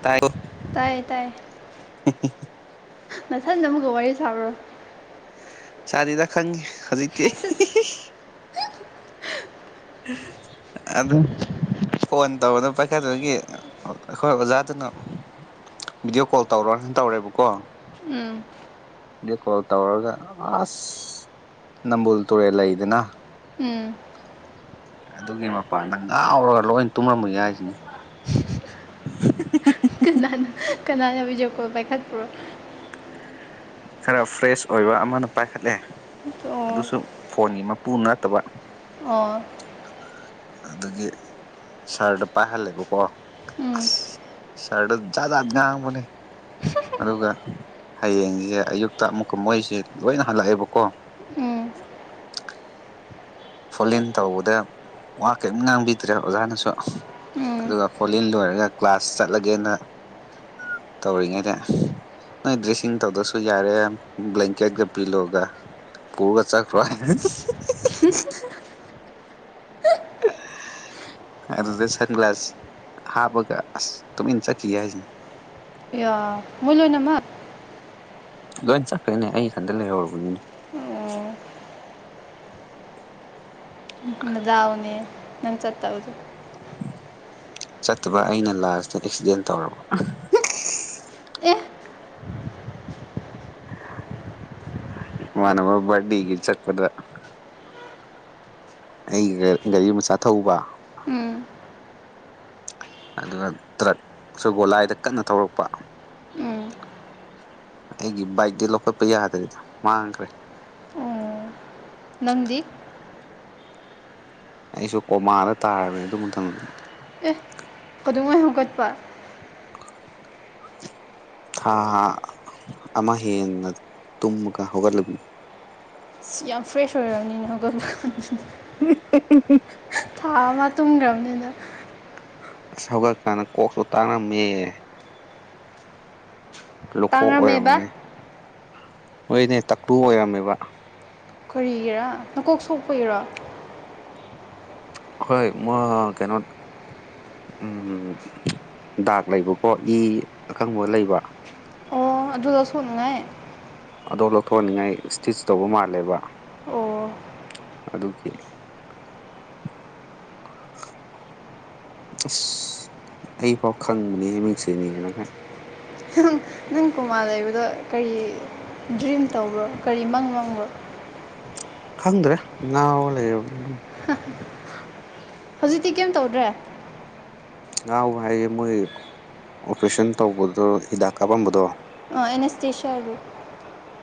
ꯇꯥꯏ ꯇꯥꯏꯌꯦ ꯅꯁꯥꯏꯗꯃꯨꯒ ꯋꯥꯔꯤꯔꯤ ꯁꯥꯕꯔ ꯆꯔꯤꯗ ꯈꯪꯉꯦ ꯍꯧꯖꯤꯛꯇꯤ ꯑꯗ ꯐꯣꯟ ꯇꯧꯔꯗ ꯄꯥꯏꯈꯠꯄꯒꯤ ꯑꯩꯈꯣꯏ ꯑꯣꯖꯥꯗꯨꯅ ꯚꯗꯤꯑꯣ ꯀꯣꯜ ꯇꯧꯔꯣ ꯇꯧꯔꯦꯕꯀꯣ ꯎꯝ ꯀꯣꯜ ꯇꯧꯔꯒ ꯑꯁ ꯅꯝꯕꯨꯜ ꯇꯨꯔꯦꯜ ꯂꯩꯗꯅ ꯎꯝ ꯑꯗꯨꯒꯤ ꯃꯄꯥꯟꯗ ꯉꯥꯎꯔꯒ ꯂꯣꯏ ꯇꯨꯝꯂꯝꯃꯒꯦ ꯍꯥꯏꯁꯤꯅꯤ [unintelligible] ꯀꯅꯥꯅ ꯀꯅꯥꯅꯕꯤꯖꯛꯄꯣ ꯄꯥꯏꯈꯠꯄ꯭ꯔꯣ ꯈꯔ ꯐ꯭ꯔꯦꯁ ꯑꯣꯏꯕ ꯑꯃꯅ ꯄꯥꯏꯈꯠꯂꯦ ꯑꯣ ꯑꯗꯨꯁꯨ ꯐꯣꯟꯒꯤ ꯇ ꯅꯠꯇꯕ ꯑꯣ ꯑꯗꯨꯗꯒꯤ ꯁꯔꯗ ꯄꯥꯏꯍꯜꯂꯦꯕꯀꯣ ꯎꯝ ꯁꯔꯠꯇ ꯖꯥꯠꯖꯥꯠ ꯉꯥꯡꯕꯅꯦ ꯑꯗꯨꯒ ꯍꯌꯦꯡꯁꯦ ꯑꯌꯨꯛꯇ ꯑꯃꯨꯛꯀ ꯃꯣꯏꯁꯦ ꯂꯣꯏꯅ ꯍꯜꯂꯛꯑꯦꯕꯀꯣ ꯎꯝ ꯐꯣ ꯏꯟ ꯇꯧꯕꯗ ꯋꯥ ꯀꯔꯤꯝ ꯉꯥꯡꯕꯤꯗ꯭ꯔꯦ ꯑꯣꯖꯥꯅꯁꯨ ꯎꯝ ꯑꯗꯨꯒ ꯐꯣꯂꯤꯟ ꯂꯣꯏꯔꯒ ꯀ꯭ꯂꯥꯁ ꯆꯠꯂꯒꯦꯅ ꯇꯧꯔꯤꯉꯩꯗ ꯅꯣꯏ ꯗ꯭ꯔꯦꯁꯤꯡ ꯇꯧꯗꯁꯨ ꯌꯥꯔꯦ ꯕ꯭ꯂꯦꯡꯀꯦꯠꯀ ꯄꯤꯂꯣꯒ ꯄꯨꯔꯒ ꯆꯆꯥ ꯈꯔꯥꯏ [unintelligible] ꯑ ꯑꯔ ꯆꯒ꯭ꯂꯁ ꯍꯥꯥ ꯒ ꯑ ꯇ ꯏ ꯆꯀꯤ ꯍꯥꯏ ꯌꯥ ꯃꯨꯂꯣꯅꯃ ꯂꯣꯏ ꯆꯠꯈ꯭ꯔꯦꯅꯦ ꯑꯩ ꯈꯟꯗ ꯂꯩꯍꯧꯨꯔꯕꯅꯤꯅꯦ ꯑꯣ ꯗꯥꯎꯅꯦ ꯅꯟ ꯆꯠꯇ ꯍꯧꯗ ꯆꯠꯇꯕ ꯑꯩꯅ ꯂꯥꯁꯤꯇ ꯑꯦꯛꯁꯤꯗꯦꯟ ꯇꯧꯔꯕ ꯑꯦ ꯋꯥꯅꯅꯕ ꯕꯗꯤꯒꯤ ꯆꯄꯗ ꯑꯩ ꯒꯥꯔꯤ ꯃꯆꯥ ꯊꯧꯕ ꯎꯝ ꯑꯗꯨꯒ ꯇ꯭ꯔꯛ ꯁꯒꯣꯂꯥꯏꯗ ꯀꯟꯅ ꯊꯧꯔꯛꯄ ꯎꯝ ꯑꯩꯒꯤ ꯕꯥꯛꯒꯤ ꯂꯈꯣꯏ ꯄꯦ ꯌꯥꯌꯥ ꯍꯥꯏꯗꯔꯗ ꯃꯥꯡꯥꯡꯈ꯭ꯔꯦ ꯑꯣ ꯅꯪꯗꯤ ꯑꯩꯁꯨ ꯀꯣꯃꯥꯗ ꯇꯥꯔꯕꯅꯦ ꯑꯗꯨ ꯃꯊꯅꯦ ꯈꯨꯗꯉꯩ ꯍꯧꯒꯠꯄ ꯍꯥꯥ ꯍꯥ ꯑꯃ ꯍꯦꯟꯅ ꯇꯨꯝꯃꯒ ꯍꯧꯒꯠꯂꯃꯤ ꯌꯥꯝ ꯐ꯭ꯔꯦꯁ ꯑꯣꯏꯔꯕꯅꯤꯅ ꯍꯧꯒꯜ ꯊꯥ ꯑꯃ ꯇꯨꯝꯈ꯭ꯔꯕꯅꯤꯅ ꯑꯁ ꯍꯧꯒꯠꯀꯥꯟꯗ ꯀꯣꯛꯁꯨ ꯇꯥꯡꯔꯝꯃꯦ ꯂꯨꯀꯣꯛ ꯇꯥꯡꯔꯝꯃꯦꯕ ꯑꯣꯏꯔꯝꯃꯅꯤ ꯃꯣꯏꯅꯦ ꯇ꯭ꯔꯨ ꯑꯣꯏꯔꯝꯃꯦꯕ ꯀꯔꯤꯒꯤꯔꯥ ꯅꯀꯣꯛ ꯁꯣꯛꯄꯒꯤꯔꯣ ꯍ ꯃ ꯀꯩꯅꯣ ꯎ ꯗꯥꯛ ꯂꯩꯕꯀꯣ ꯏ ꯑꯀꯪꯕ ꯂꯩꯕ ꯑꯣ ꯑꯗꯨꯗ ꯁꯉꯦ ꯑꯣ ꯂꯧꯊꯣꯛꯑꯅꯤꯡꯉꯥꯏ ꯏꯁꯇꯤꯆ ꯇꯧꯕ ꯃꯥꯜꯂꯦꯕ ꯑꯣ ꯑꯗꯀꯦ ꯑꯁ ꯑꯩ ꯐꯥꯎ ꯈꯪꯕꯅꯦ ꯃꯤꯡꯁꯤꯅꯤ ꯀꯅ ꯈ ꯀꯆꯤꯟ ꯀꯨꯃꯥꯔ ꯂꯩꯕꯗ ꯀꯔꯤ ꯗ꯭ꯔꯤꯝ ꯇꯧꯕ꯭ꯔꯣ ꯀꯔꯤ ꯃꯪ ꯃꯪꯕ꯭ꯔꯣ ꯈꯪꯗ꯭ꯔꯦ ꯅ ꯂꯩ ꯍꯧꯖꯤꯛꯇꯤ ꯀꯩꯝ ꯇꯧꯗ꯭ꯔꯦ ꯉꯥꯎꯕ ꯍꯥꯏꯌꯦꯦ ꯃꯣꯏ ꯑꯣꯄꯔꯦꯁꯟ ꯇꯧꯕꯗꯣ ꯍꯤꯗꯥꯛ ꯀꯥꯞꯄꯝꯕꯗꯣ ꯑ ꯑꯦꯅ ꯑꯦꯁꯇꯁ ꯍꯥꯏꯗꯤ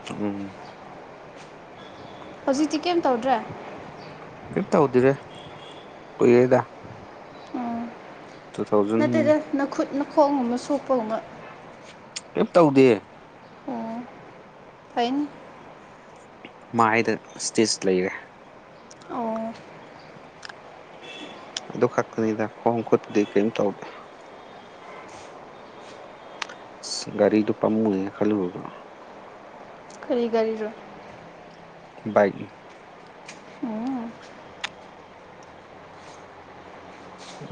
ꯎꯝ ꯍꯧꯖꯤꯛꯇꯤ ꯀꯩꯝ ꯇꯧꯗ꯭ꯔꯦ ꯀꯩꯝ ꯇꯧꯗꯦꯗ ꯀꯨꯏꯔꯦ ꯑꯣ ꯅꯠꯇꯦꯗ ꯅꯈꯨꯠ ꯅꯈꯣꯡ ꯑꯃ ꯁꯣꯛꯄꯒꯨꯝꯃ ꯀꯩꯝ ꯇꯧꯗꯤꯌꯦ ꯍꯩꯅꯤ ꯃꯥꯏꯗ ꯏꯁꯇꯤꯆ ꯂꯩꯔꯦ ꯑꯣ ꯑꯗꯨ ꯈꯛꯇꯅꯤꯗ ꯈꯣꯡ ꯈꯨꯠꯇꯗꯤ ꯀꯩꯝ ꯇꯧꯗꯦ ꯒꯥꯔꯤꯗꯣ ꯄꯥꯝꯃꯨꯏꯌꯦ ꯈꯜꯂꯨꯔꯒ ꯀꯔꯤ ꯒꯥꯔꯤꯔꯣ ꯕꯥꯏꯛꯅꯤ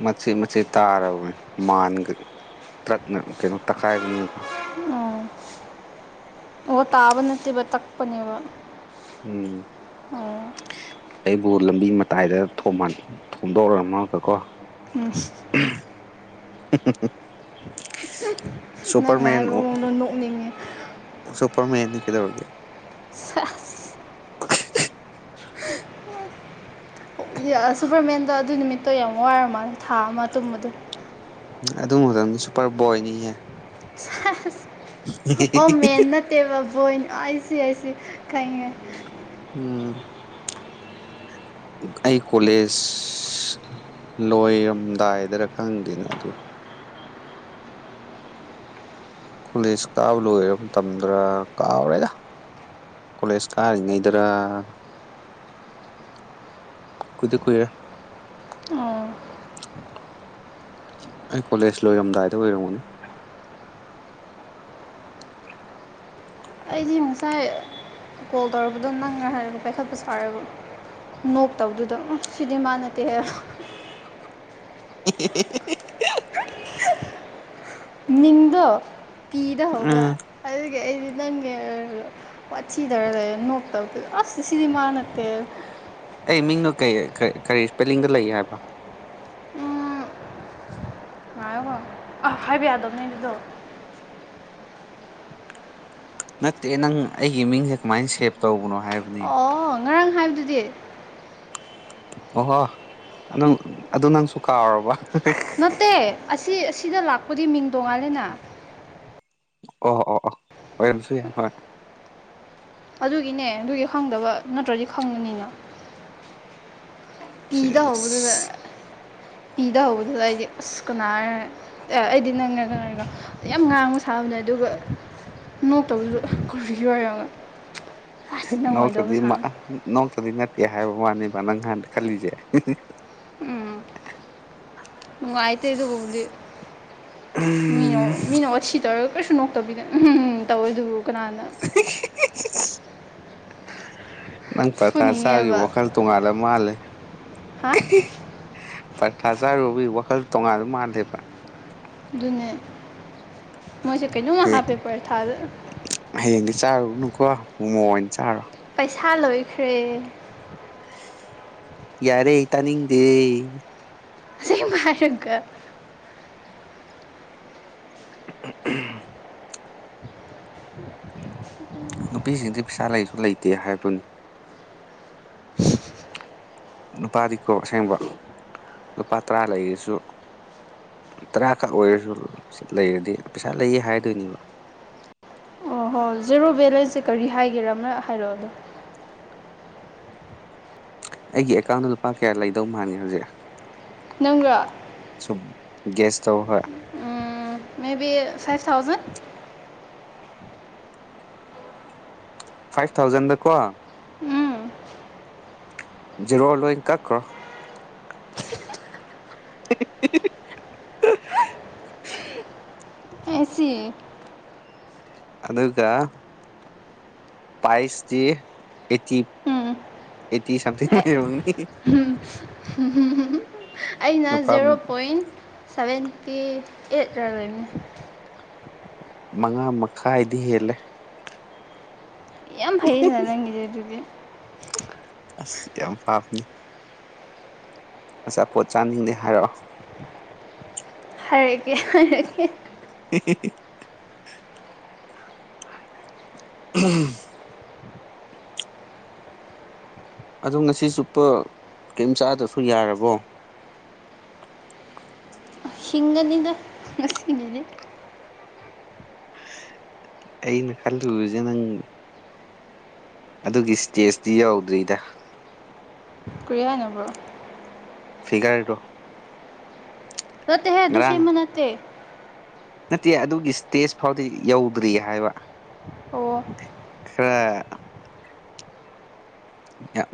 ꯃꯆꯦꯠ ꯃꯆꯦꯠ ꯇꯥꯔꯕꯅꯦ ꯃꯥꯟꯒ ꯇ꯭ꯔꯛꯅ ꯀꯩꯅꯣ ꯇꯛꯈꯥꯏꯕꯅꯤꯅꯀꯣ ꯑꯣ ꯑꯣ ꯇꯥꯕ ꯅꯠꯇꯦꯕ ꯇꯛꯄꯅꯦꯕ ꯎꯝ ꯑꯣ ꯑꯩꯕꯨ ꯂꯝꯕꯤ ꯃꯇꯥꯏꯗ ꯊꯣꯝꯗꯧꯔꯝꯃꯒꯀꯣ [inaudible] ꯅꯪꯅ ꯍꯥꯏꯕ ꯃꯑꯣꯡꯗ ꯅꯣꯛꯅꯤꯡꯉꯤ ꯁꯨꯄꯔ ꯃꯦꯟꯅꯤ ꯀꯩꯗꯧꯔꯒꯦ ꯁꯦꯁ ꯁꯨꯄꯔꯃꯦꯟꯗꯣ ꯑꯗꯨ ꯅꯨꯃꯤꯠꯇꯣ ꯌꯥꯝ ꯋꯥꯔ ꯃꯥꯜꯂꯦ ꯊꯥ ꯑꯃ ꯇꯨꯝꯕꯗ ꯑꯗꯨ ꯃꯛꯇꯝꯗꯤ ꯁꯨꯄꯔ ꯕꯣꯏꯅꯤꯍꯦ ꯁꯦꯁ ꯑꯣ ꯃꯦꯟ ꯅꯠꯇꯦꯕ ꯕꯣꯏꯅꯤ ꯑꯥꯏꯁꯤ ꯑꯥꯏꯁꯤ ꯈꯪꯉꯦ ꯎꯝ ꯑꯩ ꯀꯣꯂꯦꯖ ꯂꯣꯏꯔꯝꯗꯥꯏꯗꯔ ꯈꯪꯗꯦꯅꯦ ꯑꯗꯨ ꯀꯣꯂꯦꯖ ꯀꯥꯕ ꯂꯣꯏꯔꯕ ꯃꯇꯝꯗꯔ ꯀꯥꯎꯔꯦꯗ ꯀꯣꯂꯦꯖ ꯀꯔꯤꯉꯩꯗꯔ ꯀꯨꯏꯗꯤ ꯀꯨꯏꯔꯦ ꯑꯣ ꯑꯩ ꯀꯣꯂꯦꯖ ꯂꯣꯏꯔꯝꯗꯥꯏꯗ ꯑꯣꯏꯔꯝꯒꯅꯤ ꯑꯩꯗꯤ ꯉꯁꯥꯏ ꯀꯣꯜ ꯇꯧꯔꯛꯄꯗꯣ ꯅꯪꯅꯦ ꯍꯥꯏꯔꯒ ꯄꯥꯏꯈꯠꯄ ꯁꯥꯔꯨꯕ ꯅꯣꯛꯇꯕꯗꯨꯗ ꯁꯤꯗꯤ ꯃꯥ ꯅꯠꯇꯦꯍꯦ ꯑꯦꯍꯦꯍꯦ ꯃꯤꯡꯗꯣ ꯀꯤꯗꯍꯧꯕ ꯎꯝ ꯑꯗꯨꯒꯤ ꯑꯩꯗꯤ ꯅꯪꯅꯤ ꯍꯥꯏꯔꯒ ꯋꯥꯠꯊꯤꯗꯧꯔ ꯂꯩꯔ ꯅꯣꯛꯇꯕꯗꯨꯗ ꯑꯁ ꯁꯤꯗꯤꯃꯥꯅꯠꯇꯦ ꯀꯩ ꯃꯤꯡꯅꯣ ꯀꯩ ꯏꯁꯄꯦꯜꯂꯤꯡꯗ ꯂꯩ ꯍꯥꯏꯕꯅꯣ ꯎꯝ ꯉꯥꯏꯌꯣꯀꯣ ꯑꯥ ꯍꯥꯏꯕ ꯌꯥꯗꯕꯅꯦ ꯑꯗꯨꯗꯣ ꯅꯠꯇꯦ ꯅꯪ ꯑꯩꯒꯤ ꯃꯤꯡꯁꯦ ꯀꯃꯥꯏꯅ ꯁꯦꯞ ꯇꯧꯕꯅꯣ ꯍꯥꯏꯕꯅꯤ ꯑꯣ ꯉꯔꯥꯡ ꯍꯥꯏꯕꯗꯨꯗꯤ ꯑꯣꯍꯣ ꯅꯪ ꯑꯗꯨ ꯅꯪꯁꯨ ꯀꯥꯎꯔꯕ ꯅꯠꯇꯦ ꯑꯁꯤ ꯑꯁꯤꯗ ꯂꯥꯛꯄꯗꯤ ꯃꯤꯡ ꯇꯣꯡꯉꯥꯜꯂꯦꯅ ꯑꯣ ꯑꯣ ꯑꯣ ꯑꯏꯝ ꯁꯣꯔꯤ ꯑꯗꯨꯒꯤꯅꯦ ꯑꯗꯨꯒꯤ ꯈꯪꯗꯕ ꯅꯠꯇ꯭ꯔꯗꯤ ꯈꯪꯉꯅꯤꯅ ꯄꯤꯗ ꯍꯧꯕꯗꯨꯅ ꯄꯤꯗ ꯍꯧꯕꯗꯨꯗ ꯑꯩꯗꯤ ꯑꯁ ꯀꯅꯥꯔ ꯑꯦ ꯑꯩꯗꯤ ꯅꯪ ꯋꯥꯗꯣ ꯌꯥꯝ ꯉꯥꯡꯕ ꯁꯥꯕꯅꯦ ꯑꯗꯨꯒ ꯅꯣꯛꯇꯕꯁꯨ ꯀꯨꯏꯔꯕꯁꯨ ꯑꯣꯏꯔꯣꯕ ꯅꯧꯁꯗꯤ ꯅꯧꯁꯗꯤ ꯅꯠꯇ ꯑꯦ ꯍꯥꯏꯕ ꯋꯥꯅꯤ ꯅꯪ ꯍꯟꯅꯥ ꯈꯜꯂꯤꯖꯦ ꯉꯥꯏꯇꯗꯨꯒꯕꯨꯗꯤ ꯃꯤꯅꯣ ꯃꯤꯅ ꯋꯥꯁꯤ ꯇꯔ ꯀꯩꯁꯨ ꯅꯣꯛꯇꯕꯤꯗ ꯎꯝ ꯇꯧꯋꯦ ꯑꯗꯨꯕꯨ ꯀꯅꯥꯅ ꯅꯪ ꯄꯊꯥ ꯆꯥꯕꯒꯤ ꯐꯨꯅꯤꯡꯉꯦꯕ ꯋꯥꯈꯜ ꯇꯣꯡꯉꯥꯟꯜꯂ ꯃꯥꯜꯂꯦ ꯍꯥ ꯄ꯭ꯔꯊꯥ ꯆꯥꯔꯨꯕꯤ ꯋꯥꯈꯜ ꯇꯣꯡꯉꯥꯟꯗ ꯃꯥꯜꯂꯦꯕ ꯑꯗꯨꯗꯨꯅꯦ ꯃꯣꯏꯁꯨꯦ ꯀꯩꯅꯩꯅ ꯋꯥ ꯍꯌꯦꯡ ꯍꯥꯐꯦꯄꯔ ꯊꯥꯗꯦ ꯆꯥꯔꯨꯕꯅꯨꯀꯣ ꯃꯃꯣ ꯑꯣꯏꯅ ꯆꯥꯔꯣ ꯄꯩꯁꯥ ꯂꯣꯏꯈ꯭ꯔꯦ ꯌꯥꯔꯦ ꯇꯅꯤꯗꯦ ꯑꯁꯦ ꯐꯥꯏꯔꯒ ꯅꯨꯄꯤꯁꯤꯡꯗꯤ ꯄꯩꯁꯥ ꯂꯩꯁꯨ ꯂꯩꯇꯦ ꯍꯥꯏꯕꯗꯨꯅꯤ ꯅꯨꯨꯄꯥꯗꯤꯀꯣ ꯑꯁꯦꯡꯕ ꯂꯨꯄꯥ ꯇꯔꯥ ꯂꯩꯔꯁꯨ ꯇꯔꯥꯀꯛ ꯑꯣꯏꯔꯁꯨ ꯂꯩꯔꯗꯤ ꯄꯩꯁꯥ ꯂꯩꯌꯦ ꯍꯥꯏꯗꯣꯏꯅꯦꯕ ꯑꯣ ꯍꯣ ꯖꯦꯔꯣ ꯕꯦꯂꯦꯟꯁꯁꯦ ꯀꯔꯤ ꯍꯥꯏꯒꯦꯔ ꯑꯃꯅ ꯍꯥꯏꯔꯛꯑꯣꯗꯣ ꯑꯩꯒꯤ ꯑꯦꯀꯥꯎꯟꯗ ꯂꯨꯄꯥ ꯀꯌꯥ ꯂꯩꯗꯧ ꯃꯥꯥꯟꯒꯦ ꯍꯧꯖꯤꯛ ꯅꯪ ꯁꯨꯝ ꯦꯁ ꯇꯧꯕ ꯍꯣꯏ ꯃꯦ ꯕꯤ ꯐꯥꯏꯚ ꯊꯥꯥꯎꯖꯟ ꯐꯥꯏꯚ ꯊꯥꯎꯖꯟꯗꯀꯣ ꯎꯝ ꯖꯦꯔꯣ ꯂꯣꯏ ꯀꯛꯈ꯭ꯔꯣ [unintelligible] ꯑꯦꯁꯤ ꯑꯗꯨꯀ ꯄꯥꯏꯁꯇ ꯑꯦꯇꯤ ꯎꯝ ꯑꯦꯇꯤ ꯑꯦ ꯁꯝꯊꯅꯤ ꯑꯩꯅ ꯖꯦꯔꯣ ꯄꯣꯏꯟ ꯁꯚꯦꯟꯇꯤ ꯑꯦꯠ ꯔ ꯂꯩꯣꯏꯕꯅꯤ ꯃꯉꯥ ꯃꯈꯥꯏꯗꯤ ꯍꯦꯜꯂꯦ ꯌꯥꯝ ꯐꯩꯗꯅ ꯅꯪꯒꯤꯗꯤ ꯑꯗꯨꯗꯤ ꯑꯁ ꯌꯥꯝ ꯄꯥꯕꯅꯦ ꯑꯆꯥ ꯄꯣꯠ ꯆꯥꯅꯤꯡꯗꯦ ꯍꯥꯏꯔꯛꯑꯣ ꯍꯥꯏꯔ ꯀꯦ ꯍꯥꯏꯔ ꯀꯦ ꯑꯦ [unintelligible] ꯑꯣ ꯉꯁꯤ ꯆꯨꯞꯄ ꯀꯔꯤꯝ ꯆꯥꯗ꯭ꯔꯁꯨ ꯌꯥꯔꯕꯣ ꯁꯤꯒꯅꯤꯗ ꯉꯁꯤꯅꯦꯅꯤ ꯑꯩꯅ ꯈꯜꯂꯨꯁꯦ ꯅꯪ ꯑꯗꯨꯒꯤ ꯏꯁꯇꯦꯖꯇꯤ ꯌꯧꯗ꯭ꯔꯤꯗ ꯀ ꯍꯥꯏꯅꯔꯕ꯭ꯔꯣ ꯐꯤꯒꯔ ꯇꯣ ꯔꯠꯇꯍ ꯑꯗꯨꯗꯨꯁꯔꯤ ꯃꯅꯥꯠꯇ ꯅꯠꯇꯦ ꯑꯗꯨꯒꯤ ꯏꯁꯇꯦꯖ ꯐꯥꯎꯗꯤ ꯌꯧꯗ꯭ꯔꯤ ꯍꯥꯏꯕ ꯑꯣ ꯈ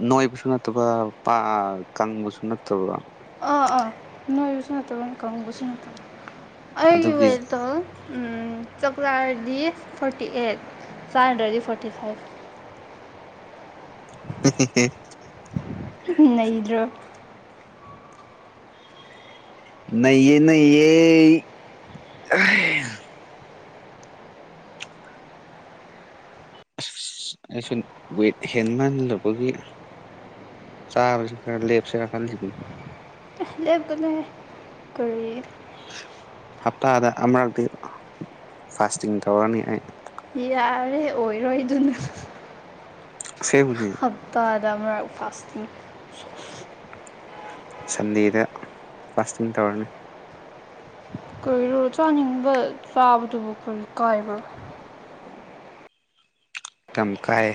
ꯅꯣꯏꯕꯁꯨ ꯅꯠꯇꯕ ꯀꯥꯡꯪꯕꯁꯨ ꯅꯠꯇꯕ ꯅ ꯌꯁ ꯅ ꯇꯣ ꯀꯥꯎ ꯀꯁ ꯅꯠꯇꯣ ꯑꯩ ꯑꯗꯨꯒꯤ ꯏꯕꯦꯜꯗ ꯆꯥꯛꯥ ꯍꯥꯏꯔꯗꯤ ꯐꯣꯔꯇꯤ ꯑꯩꯠ ꯆꯥ ꯍꯟꯗ꯭ꯔꯗꯤ ꯐꯣꯔꯇꯤ ꯐꯥꯏꯚ ꯎ ꯎ ꯅꯩꯗ꯭ꯔꯣ ꯅꯌꯦ ꯅꯌꯦ ꯑꯁ ꯑꯩꯁꯨ ꯋꯦꯠ ꯍꯦꯟꯃꯜꯂꯨꯕꯒꯤ ꯆ ꯈꯔ ꯂꯦꯐ ꯁꯔ ꯂꯩꯦꯕꯅ ꯀ ꯍꯞꯇꯥꯗ ꯑꯃꯨꯔꯛꯇꯤ ꯐꯥꯁꯇꯤꯡ ꯇꯧꯔꯅꯤ ꯑꯩ ꯌꯥꯔꯦ ꯑꯣꯏꯔꯣꯏꯗꯨꯅ ꯑꯁꯦꯡꯕꯅꯤ ꯍꯞꯇꯥꯗ ꯃꯔꯛ ꯐꯥꯁꯇꯤꯡ ꯁꯣ ꯁꯟꯗꯦꯗ ꯐꯥꯁꯇꯤꯡ ꯇꯧꯔꯅꯤ ꯀꯩꯔꯣ ꯆꯥꯅꯤꯡꯕ ꯆꯥꯕꯗꯨꯕꯨ ꯀꯔꯤ ꯀꯥꯏꯕ꯭ꯔꯥ ꯆꯝꯈꯥꯏ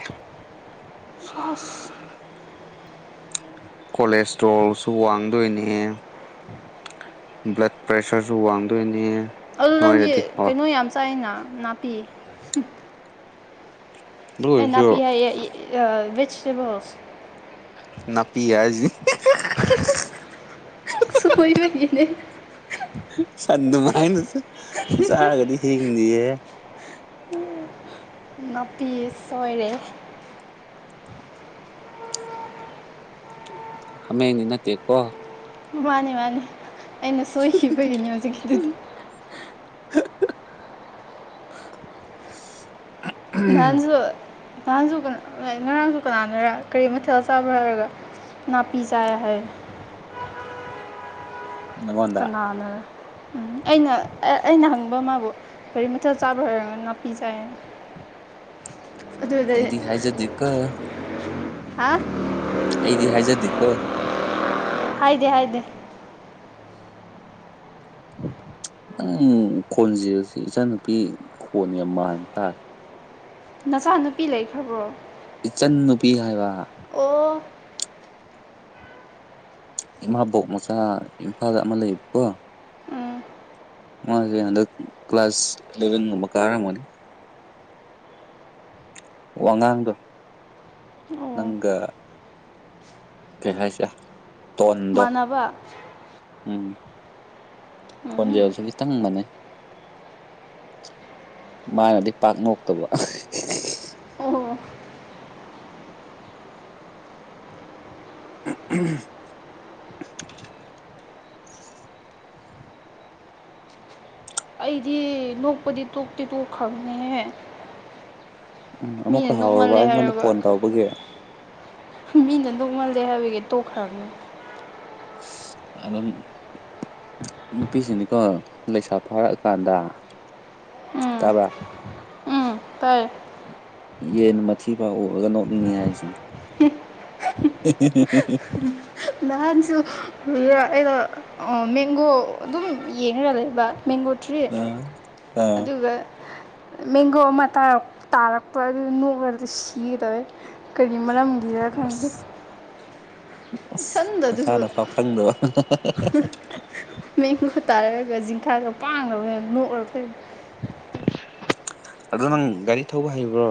ꯆꯁ ꯀꯣꯂꯦꯁꯇ꯭ꯔꯣꯜꯁꯨ ꯋꯥꯡꯗꯣꯏꯅꯦ ꯕ꯭ꯂꯠ ꯄ꯭ꯔꯦꯁꯔꯁꯨ ꯋꯥꯡꯗꯣꯏꯅꯦ ꯈꯨꯜ ꯂꯪꯁ ꯅꯣꯏꯔꯗꯤꯀꯣ ꯀꯩꯅꯣ ꯌꯥꯝ ꯆꯥꯏꯅ ꯅꯥꯄꯤ ꯑꯗꯨ ꯑꯦꯟꯅ ꯑꯣꯏꯔꯁꯨ ꯄꯤꯌꯥ ꯦꯖꯤꯇꯦꯕꯜꯁ ꯅꯅꯥꯄꯤꯤꯖꯤ ꯁꯣꯏ ꯄꯅꯤꯅꯦ ꯑꯗꯨꯃꯥꯏꯅ ꯆꯥꯔꯒꯗꯤ ꯍꯤꯡꯅꯤꯌꯦ ꯅꯥꯄꯤ ꯁꯣꯏꯔꯦ ꯍꯥꯃꯦꯡꯗꯤ ꯅꯠꯇꯦꯀꯣ ꯃꯥꯅꯦ ꯃꯥꯅꯤ ꯑꯩꯅ ꯁꯣꯏꯈꯤꯕꯒꯤꯅꯦ ꯍꯧꯖꯤꯛꯀꯤ ꯑꯗꯨꯗꯤ ꯅꯍꯥꯟꯁꯨ ꯅꯍꯥꯟꯁꯨ ꯀ ꯉꯔꯥꯡꯁꯨ ꯀꯅꯥꯅꯔ ꯀꯔꯤ ꯃꯊꯦꯜ ꯆꯥꯕ꯭ꯔꯥ ꯍꯥꯏꯔꯒ ꯅꯅꯥ ꯄꯤꯖꯥ ꯍꯥꯏ ꯅꯪꯉꯣꯟꯗ ꯀꯅꯥꯅ ꯎꯝ ꯑꯩꯅ ꯑꯩꯅ ꯍꯪꯕ ꯃꯥꯕꯨ ꯒꯥꯔꯤ ꯃꯊꯆꯥ ꯆꯥꯕ꯭ꯔ ꯍꯥꯏꯔꯒ ꯅꯥꯄꯤ ꯆꯥꯏꯅ ꯑꯦꯗꯤ ꯍꯥꯏꯖꯗꯤ ꯀ ꯍꯥ ꯑꯩꯗꯤ ꯍꯥꯏꯖꯗꯦꯀꯣ ꯍꯥꯏꯗꯦ ꯍꯥꯏꯗꯦ ꯅꯪ ꯈꯣꯟꯁꯤꯁ ꯏꯆꯥ ꯅꯨꯨꯄꯤ ꯈꯣꯟ ꯌꯥꯝ ꯃꯥꯟꯕ ꯇꯥꯔꯦ ꯅꯆꯥꯅꯨꯄꯤ ꯂꯩꯈ꯭ꯔꯕꯣ ꯏꯆꯟ ꯅꯨꯄꯤ ꯍꯥꯏꯕ ꯑꯣ ꯏꯃꯥꯕꯣꯛ ꯃꯆꯥ ꯏꯝꯐꯥꯜ ꯑꯃ ꯂꯩꯌꯦꯕꯀꯣ ꯎꯝ ꯃꯥꯁꯦ ꯍꯟꯗꯛ ꯀ꯭ꯂꯥꯁ ꯑꯦꯂꯚꯦꯟꯒꯨꯝꯕ ꯀꯥꯔꯝꯃꯅꯤ ꯋꯥꯉꯥꯡꯗꯣ ꯑꯣ ꯅꯪꯒ ꯀꯦ ꯍꯥꯏꯥꯏꯁ ꯃꯅꯕ ꯎꯝ ꯈꯟꯖꯦꯜ ꯆꯣꯂꯤꯁ ꯇꯪ ꯃꯅꯦ ꯃꯥꯅꯗꯤ ꯄꯥꯛ ꯉꯣꯛꯇꯕ ꯑꯣ [unintelligible] ꯑꯩꯗꯤ ꯅꯣꯛꯄꯗꯤ ꯇꯣꯛꯇꯤ ꯇꯣꯛꯈ꯭ꯔꯪꯅꯦꯍ ꯎꯝ ꯑꯃꯨꯛꯀ ꯍꯧꯔꯕ ꯑꯩꯉꯣꯟꯗ ꯐꯣꯟ ꯇꯧꯕꯒꯤ ꯃꯤꯗꯗꯣꯛꯃꯜꯗꯦ ꯍꯥꯏꯕꯒꯦ ꯇꯣꯛꯈ꯭ꯔꯅꯤ ꯑꯗꯨꯗꯝ ꯅꯨꯄꯤꯁꯤꯅꯤꯀꯣ ꯂꯩꯁꯥ ꯐꯥꯔꯛꯑꯀꯥꯟꯗ ꯇꯥꯕ ꯇ ꯌꯦꯟ ꯃꯊꯤ ꯐꯥ ꯎꯔꯒ ꯅꯣꯛꯅꯤꯡꯉꯤ ꯍꯥꯏꯁꯦ [unintelligible] ꯅꯍꯥꯟꯁꯨ ꯑꯩꯅꯣ ꯃꯦꯡꯒꯣ ꯑꯗꯨꯝ ꯌꯦꯡꯉꯒ ꯂꯩꯕ ꯃꯦꯡꯒꯣ ꯇ꯭ꯔꯤ ꯑ ꯑ ꯑꯗꯨꯒ ꯃꯦꯡꯒꯣ ꯑꯃ ꯇꯥꯔꯛꯄ ꯑꯗꯨ ꯅꯣꯛꯉꯔꯗꯤ ꯁꯤꯔꯔꯦ ꯀꯔꯤ ꯃꯔꯝ ꯏꯌꯥ ꯈꯪꯗ ꯑꯁ ꯑꯁ ꯆꯗ ꯑꯗꯨ ꯅꯁꯥꯅꯐꯥꯎ ꯈꯪꯗꯕ ꯃ ꯇꯥꯔꯛꯑꯒ ꯤꯡꯈꯥꯒ ꯄꯥꯡꯅꯕꯅ ꯅꯣꯛꯔ ꯐꯩꯅ ꯑ ꯅꯪ ꯒꯥꯔꯤ ꯊꯧꯕ ꯍꯩꯕ꯭ꯔꯣ